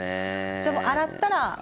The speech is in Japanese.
じゃあ、もう洗ったらそのまま？